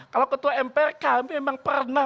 kalau ketua mpr kami memang pernah